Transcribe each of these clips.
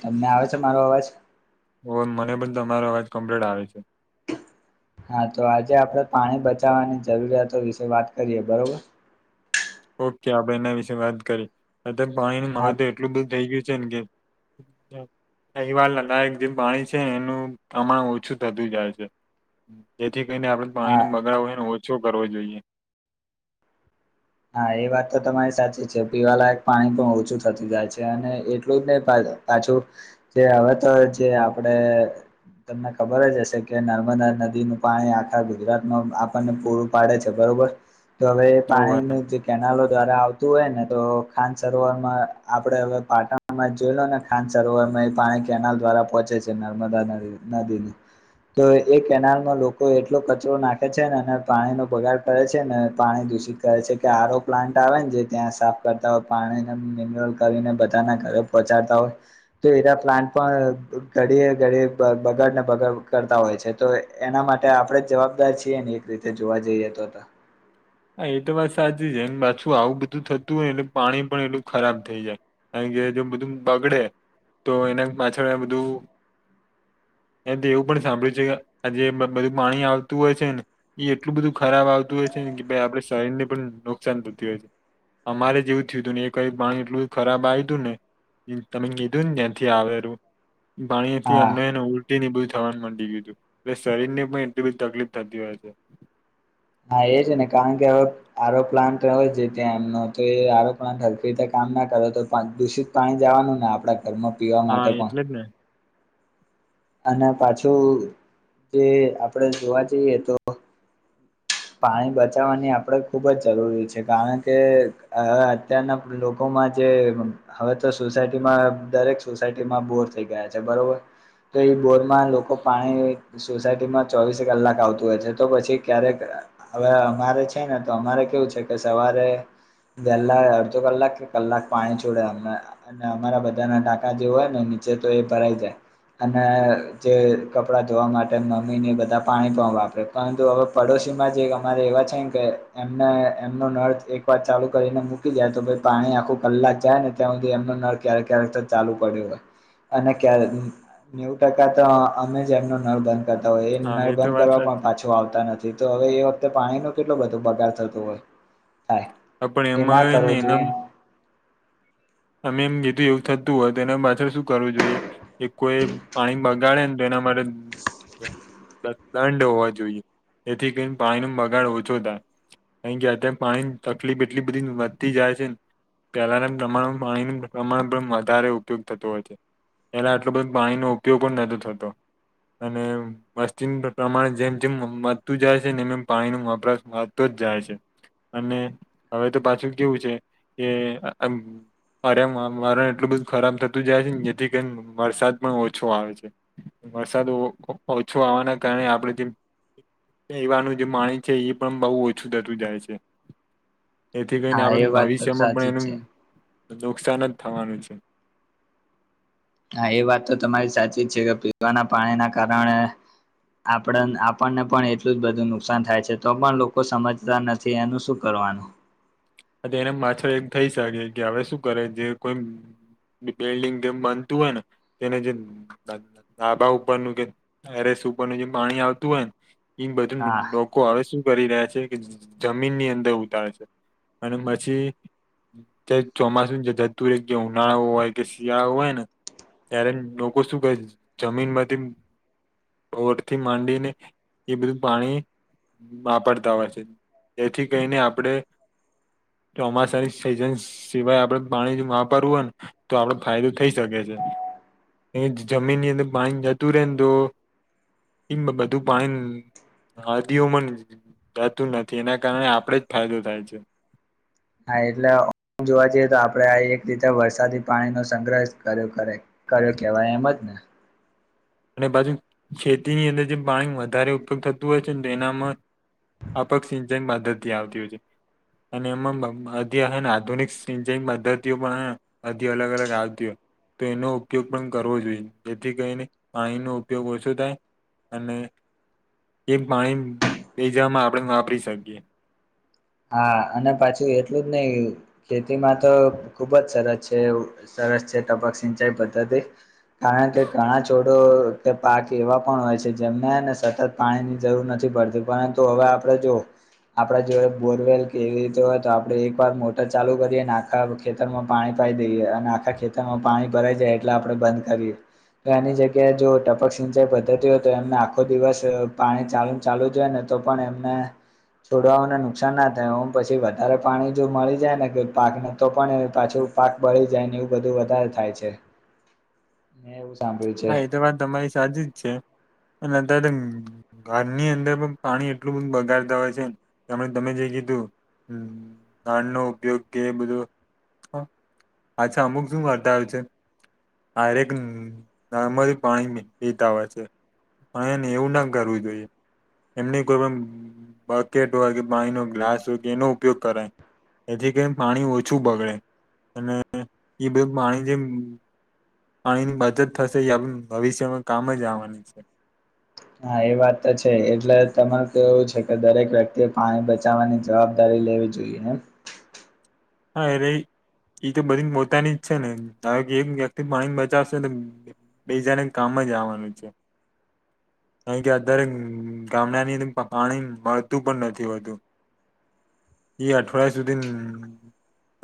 તમને આવે છે મારો અવાજ ઓ મને પણ તમારો અવાજ કમ્પ્લિટ આવે છે હા તો આજે આપણે પાણી બચાવવાની જરૂરિયાતો વિશે વાત કરીએ બરોબર ઓકે આપણે એના વિશે વાત કરી અત્યારે પાણીની હા મહત્વ એટલું બધું થઈ ગયું જેમકે [unintelligible] લદાયક જે પાણી છે એનું પ્રમાણ ઓછું થતું જાય છે જેથી કરીને આપણે હા પાણી નો બગાડ હેને ઓછો કરવો જોઈએ હા એ વાત તો તમારી સાચી છે પીવાલાયક પાણી પણ ઓછું થતુ જાય છે અને એટલું જ નહી પાછળ જે હવે તો જે આપડે તમને ખબર જ હશે કે નર્મદા નદી નું પાણી આખા ગુજરાતમાં આપણને પૂરું પાડે છે બરોબર તો હવે હોવે પાણી કેનાલો દ્વારા આવતું હોય ને તો ખાન સરોવારમાં આપણે હવે પાટણમાં જોઈ લો ને ખાન સરોવર સરોવર માં એ પાણી કેનાલ દ્વારા પહોંચે છે નર્મદા નદી ની તો એ કેનાલમાં લોકો એટલો કચરો નાખે છે ને અને પાણીનો બગાડ કરે છે ને પાણી દૂષિત કરે છે આરો પ્લાન્ટ આવે ને જે ત્યાં સાફ કરતા હોય પાણીને મિનરલ કરીને બધાના ઘરે પહોંચાડતા હોય તો એના પ્લાન્ટ પણ ઘડીએ ને ઘડીએ બગાડને બગાડ કરતા હોય છે તો એના માટે આપડે જ જવાબદાર છીએ ને એક રીતે જોવા જઈએ તો હા એ તો વાત સાચી છે પાછું આવું બધું થતું હોય એટલે પાણી પણ એટલું ખરાબ થઈ જાય બધું બગડે તો એના પાછળ આ બધું એ તો એવું પણ સાંભળ્યું છે કે આ જે બધું પાણી આવતું હોય છે ને એ એટલું બધું ખરાબ આવતું હોય છે ને આપડે શરીર ને પણ નુકસાન થતી હોય છે અમારે જ એવું થયું હતું ને એક વાર પાણી એટલું ખરાબ આવ્યું હતું ને તમે કીધું ને ત્યાંથી આવેલું પાણીથી હા અમને ઉલટી ને એવું બધુય થવા મંડી ગયું હતું એટલે શરીર ની પણ એટલી બધી તકલીફ થતી હોય છે હા એ છે ને કારણ કે હવે આરો પ્લાન્ટ હોય ત્યાં એમનો તો એ આરો પ્લાન્ટ હરખી રીતે કામ ના ના કરે તો દૂષિત પાણી જ આવવાનું ને આપણા ઘરમાં પીવા હા માટે પણ એટલે જ ને અને પાછું જે આપડે જોવા, જઈએ તો પાણી બચાવવાની આપડે ખુબજ જરૂરી છે, કારણ કે અત્યારના લોકો જે હવે, તો સોસાયટીમાં દરેક સોસાયટીમાં બોર થઈ ગયા છે, બરોબર તો એ બોરમાં લોકો પાણી સોસાયટીમાં ચોવીસ કલાક આવતું હોય છે, તો પછી ક્યારેક હવે અમારે છેને, તો અમારે કેવું છે, કે સવારે વહેલા અડધો કલાક કે કલાક પાણી છોડે અમારા બધાના ટાકા જે હોય, ને ચે તો એ ભરાઈ, જાય. અને જે કપડા ધોવા માટે મમ્મીને બધા પાણી પણ વાપરે, પરંતુ હવે પડોશી અમારે એવા છે, કેમ એમનો નળ એક વાર ચાલુ કરીને મૂકી દાય, તો પાણી આખો કલાક જાય, ને ત્યાં સુધી એમનો નળ ક્યારેક ક્યારેક, ચાલુ પડ્યો હોય. અને ક્યારે, નેવ ટકા તો અમેજ એમનો ન બંધ કર હોય, એ હા નળ તો બંધ વાત કરવા પણ સાચી પાછો આવતા નથી. તો હવે, એ વખતે પાણી ન કેટલો બધો બગાર થતો, હોય થાય હા, પણ એના એમાં કરો, જોઈએ અમે એમ જેીધું એવું થતું હોય, તો એને પાછળ શું કરવું જોઈએ, કે કોઈ પાણી બગાડેને લના, માટે દંડ હોવા, જોઈએ એથી કરીને પાણી નો બગાડ ઓછો થાય કાર કે, અત્યારે પાણી તકલીફ એટલી બધી વધતી જાય છેને, પેલાના પ્રમાણ પાણી પ્રમાણ પણ વધારે ઉપયોગ થતોું હોય, છે એલા આટલો, બધો પાણીનો ઉપયોગ પણ નથી, તો થતો અને મસ્િન પ્રમાણે જેમ, જેમ મતું જાય છે, ને એમ એમ પાણી ન વપરાશ વાતો જ જાય છે, અને હવે, તો પાછું કેવું છે, કે અરે એમ વારણ એટલું બધું ખરાબ થતું જાય છેને, જેથી કે વરસાદ પણ ઓછો આવે છે. વરસાદ ઓછો આવવાના કારણે, આપડ જે એ એવાનું જે માણ છે, એ પણ બહુ ઓછું થતું જાય છે. એથી કરીઈને, હા એ આપણું વાત તો ભવિષ્યમા પણ સાચી જ એનું છે તો નુકસાન જ થવાનું છે. હા, એ વાત તો તમારી સાચી જ છે, કે પીવાના પાણીના કારણે. આપ આપણને પણ એટલું જ બધું નુકસાન થાય છે, તો પણ લોકો સમજતા નથી, એનું શું કરવાનું એને માછળ એક થઇ શકે કે હવે, શું કરે જે કોઈ બિલ્ડિંગ, જેમ બનતું હોય, ને તેને જે ડાબા ઉપરનું કેરે તેરસ સુરનું જેમ પાણી આવતું હોય, ને એ બધું હા લોકો હવે, શું કરી રહ્યા છેકે, જમીનની અંદર ઉતારે છે અને પછી જે ચોમાસું જે ધતુર જે ઉનાળો હોય, કે શિયાળા હોય ને ત્યારે, લોકો શું ક જમીનમાંથી પરથી માંડીને, એ બધું પાણી વાપરતા હોય છે, તેથી કરીહીને આપણેે ચોમાસાની સિઝન સિવાય આપડ પાણી વાપરવું હોય, ને તો આપડ ફાયદો થઈ શકે છે. એ જમીનની અંદર પાણી જતું, રે ને તો એમ બધું પાણી હ, હ દ ઉમન જતું, નથી. એના કારણે આપડે જ ફાયદો થાય છે. હા, એટલે જોવા જઈએ, તો આપણે આ એક રીતે વરસાદી પાણી નો સંગ્રહ કર્યો કર્યો કેહેવાય એમ જ ન [inaudible] અને બાજુ ખેતીની અંદર, જે પાણી વધારે ઉપયોગ થતું હોય, છેને તો એનામાં આપક સિંચાઈ મદદ થી, આવતી હોય, છે અને એમાંધી હ, આધુનિક સિંચાઈ પદ્ધતિઓ પણ અધી અલગ અલગ આવતી હોય તો એનો ઉપયોગ પણ કરવો જોઈએ, જેથી કરીહીને પાણીનો ઉપયોગ ઓછો, થાય અને એક પાણી, બેઈ જવામાં આપણે વાપરી શકીએ. હા અને પાછું એટલું જ નહી ખેતીમાં તો ખુબ જ સરસ છે. સરસ છે તબક સિંચાઈ પદ્ધતિ કારણ કે ઘણા છોડ પાક એવા પણ હોય છે જેમનેને સતત પાણી ની જરૂર નથી પડતી પરંતુ હવે આપ આપ જો આપડા જો બોરવેલ કેવી રીતે હોય તો આપડે એક વાર મોટર ચાલુ કરીએ અને આખા ખેતરમાં પાણી પાઈ દઈએ અને આખા ખેતરમાં પાણી ભરાય જાય એટલે આપડે બંધ કરીએ. તો એની જગ્યાએ જો ટપક સિંચાઈ વધતી હોય તો એમને આખો દિવસ પાણી ચાલુ ચાલુ જોયને- તો પણ એમને છોડવાઓ ન- કસાન ના થાય ઓમ પછી વધારે પાણી જો મળી જાય ને કે પાક નતો પણ પાછું પાક બળી જાય ન- એવું બધું વધારે થાય છે. [unintelligible] મે એવું- સાંભળ્યું છે હા એ તો વાત તમારી સાચી જ છે અને [unintelligible] ઘરની અંદર પણ પાણી એટલું બધું બગાડતા હોય છેને તેમ તમે જે કીધું, હમ નાાન નો ઉપયોગ કે બધો- અચ્છા અમુક શું કરર્તા આવ છે આરેક- નર્મદી પાણી પીતા હોય છે પણ એને એવું ના કરવું જોઈએ. એમની કોઈ પણ બકેટ હોય કે પાઈનો હોય ગ્લાસ હોય કે એનો ઉપયોગ કરાય. એથી કેમ પાણી ઓછું બગડે અને એ બધ પાણી જેમ પાણીની બચત થશે એ ભવિષ્યમાં કામ જ આવવાની છે. હા એ વાત તો છે એટલે તમાર કેવું છે કે દરેક વ્યક્તિ એ પાણી બચવાની જવાબદારી લેવે જોઈએ એન હા એ રઈ એ તો બધી પોતાની જ છે ને હ કે એક વ્યક્તિ પાણી બચાવશે બીજાને કામ મજ આવવાનું છે. ક કે અત્યારે ગામડાની પાણી મળતું પણ નથી હોતું. એઈ અઠવાડિયા સુધી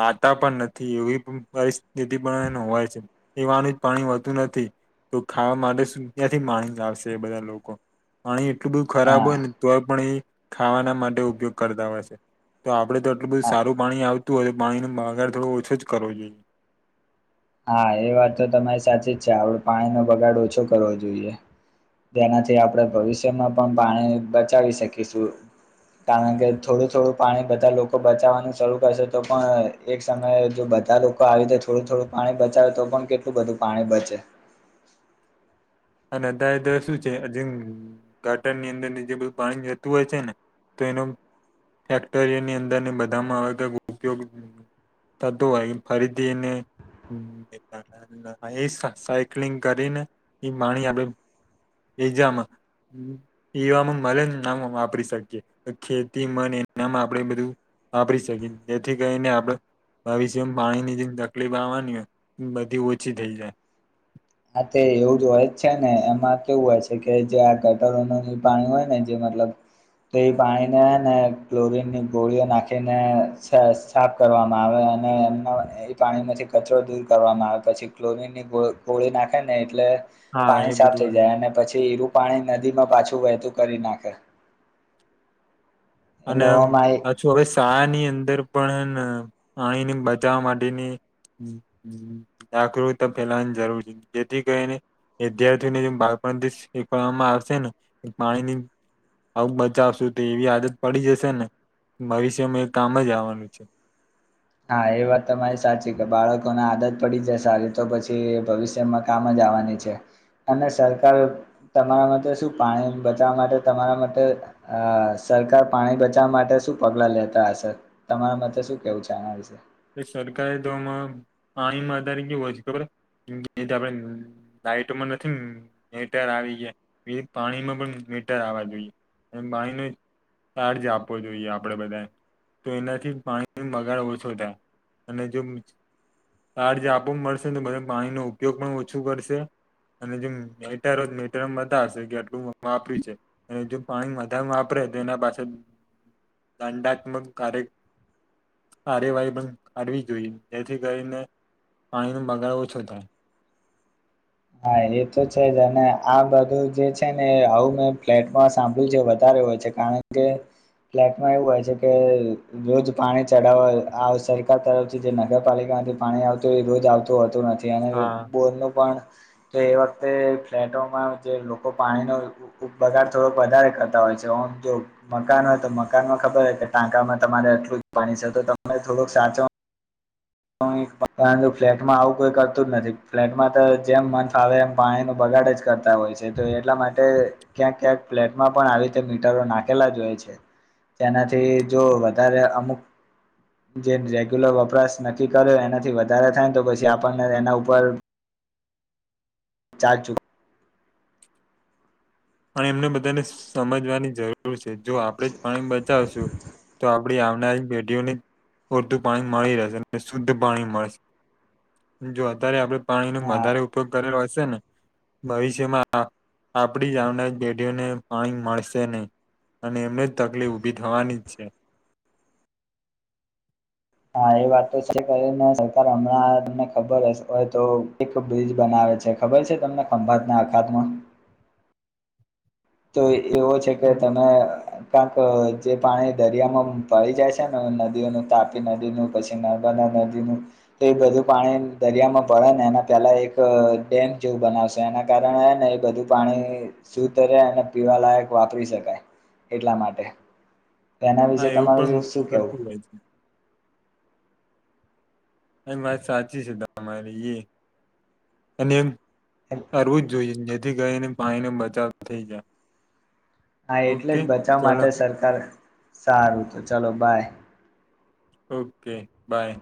નાતા પણ નથી એવી પરિસ્થિ પણ હોય છે એવાનું જ પાણી વધતું નથી? તો ખાવા માટે શું ત્યાંથી માણી આવશે બધા લોકો પાણી એટલું બધું ખરાબ હા હોય ને તોય પણ એ. ખાવાના માટે ઉપયોગ કરતા હોય છે તો આપડે તો આટલું બધું સારું પાણી આવતું. તું હ પાણી ન બાગાર થોડો ઓછો જ કરવો જોઈએ. હા એ વાત તો તમારી સાચી જ છે આપડ પાણીનોો બગાડ ઓછો કરવો જોઈએ. તેનાથી આપણે ભવિષ્યમાં પણ પાણી બચાવી શકીશું. કારણ કે થોડું થોડું પાણી બધા લોકો બચાવવાનું શરૂ કરશે તો પણ એક સમયે જો- બધા લોકો આવી રીતે થોડું થોડું પાણી બચાવે તો પણ કેટલું બધું પાણી બચે. અને અધા શું છેજ ઘાટણની અંદર જે બધું પાણી જતું હોય છે ને, તો એનો ફેક્ટરયની અંદરને બધામાં આવે તો ઉપયોગ- થતું હોય ફરીધિને- એ સાયક્લિંગ કરીને એ માણી આપે [unintelligible] એજામાં- પીવામાં મને ના વાપરી શકીએ ખેતી મન એનામાં આપણેે બધું- વાપરી શકીને જેથી કઈને આપડ- ભવિષ્યમ એમ પાણીની જેમ તકલીફ આવવાની હોય એ બધી ઓછી થઈ જાય. આ તે એવું જ હોય જ છે ને એમાં કેવું હોય છે કે જે આ ગટરો પાણી હોય ને જેમાં- મતલબ- તો એ પાણીને ને ક્લોરીન ની ગોળીઓ નાખીને સા સાફ કરવામાં આવે- અને એમના એ પાણીમાંથી કચરો દૂર કરવામાં આવે પછી ક્લોરીનની ગોળ. ગળી નાખે ને એટલે હા એ પાણી સાફ બધું થઈ જાય અને પછી ઈરુ- પાણી નદી માં પાછું વહેતું કરી નાખે. અને એમાં પાછું હવે શા ની અંદર પણ હેન પાણીની બચાવવા માટેની જ જ જાગૃતા ફેલાવાની જરૂર છે, જેથી કરીને વિદ્યાર્થીઓને જે બાળપણથી શિખવાડવામાં આવશે ને પાણીની આવું બચાવશું તો એવી આદત પડી જશેને ભવિષ્યમાં એ કામ જ આવવાનું છે. હા એ વાત તમારી સાચી કે બાળકોને આદત પડી જાય સારી તો પછી ભવિષ્યમાં કામ જ જ આવાની છે. અને સરકાર તમારા માટે શું પાણી બચાવવા માટે તમારા માટે અ સરકાર પાણી બચાવવા માટે શું પગલા લેતા હશે તમારા મતે શું કેવું છે આના વિશે? એ સરકારે તો આમાં પાણીમાં અત્યારે કેવું હોય છે ખબર હૈ જેવી રીતે આપડે લાાઈટમાં નથી મીટર આવી ગયા એ પાણીમાં પણ મીટર આવવા જોઈએ એમ પાણીનું એ તાડ જે આપવો જોઈએ આપડે બધાએ તો એનાથી પાણી ન બગાડ ઓછો થાય. અને જો તાર જે આપો મળશેને બધ પાણીનો ઉપયોગ પણ ઓછું કરશે. અને જે મેટર મેટરમાં બતા હશે કે આટલું વાપર્યું છે અને જે પાણી વધાર વાપરે તેના પાસેળ દંડાત્મક કાર્ય કાર્યવાહી પણ કાઢવી જોઈએ જેથી કરીને પાણીનો બગાડ ઓછો થાય. હા એ તો છે જ અને આ બધું જે છે ને આવું મેં ફ્લેટમાં સાંભળ્યું છે વધારે. હોય છે, કારણ કે ફ્લેટમાં એવું હોય છે કે રોજ પાણી ચડાવવા આવ સરકાર તરફથી જે નગરપાલિકા માંથી પાણી આવતું એ રોજ આવતું હોતું નથી અને હા. બોરનું પણ તો એ વખતે ફ્લેટોમાં જે લોકો પાણીનો ઉપ બગાડ થોડો વધારે કરતા હોય છે. ઓમ જો મકાન હોય તો મકાન માં ખબર હોય કે ટાંકામાં તમારે આટલું જ પાણી છે તો તમે થોડુંક સાચો [unintelligible] ફ્લેટમાં આવું કોઈ કરતું જ નથી ફ્લેટમાં તો જેમ મન ફાવે એમ પાણી નો બગ ગાડ જ કરતા હોય છે, તો એટલા માટે ક્યાંક ક્યાંક ફ્લેટમાં પણ આવી રીતે મીટરો નાખેલા જ હોય છે. તેનાથી જો વધારે અમુક જે રેગ્યુલર વપરાશ ન તી કરે એનાથી વધારે થાય ન તો પછી આપણને એના ઉપર ચાર્જ ચુ પણ એમને બધાને સમજવાની જરૂર છે જો આપણેે જ પાણી બચાવશું તો આપ આપડી આવનારી પેઢીઓને પૂરતું પાણી મળી રહેશે અને શુદ્ધ પાણી મળશે. જો અત્યારે આપડે પાણી નો હા વધારે ઉપયોગ કરેલો હશે ને ભવિષ્યમાં આપડી જ આ પેઢીઓને પાણી મળશે નહીં અને એમને જ તકલીફ ઉભી થવાની જ છે. હા એ વાત તો છે, કરી ને સરકાર હમણાં તમને ખબર હશ હોય તો એક બ્રિજ બનાવે. [unintelligible] ખબર છે તમને ખંભાત ના અખાતમાં. તો એવો છે કે તમે કાંક અ જે પાણી દરિયામાં ભળી જાય છે ને નદીઓનું તાપી નદીનું પછી નર્મદા નદીનું તો એ બધું પાણી દરિયામાં ભળે ને એના પેલા એક અ ડેમ જેવું બનાવશે. એના કારણને હેને એ બધું પાણી શુદ્ધ અને પીવાલાયક વાપરી શકાય એટલા માટે. એના હા વિશેે એવું તમારું શું પણ કેવું? થતું હોય છે એ વાત સાચી છે તમારી એ અને એમ કરવું જ જોઈએ જેથી કરીને પાણીનો બચાવ થઈ જાય. હા એટલે ઓકે જ બચાવ ચલો માટે સરકાર, સારું તો ચલો બાય. Okay by.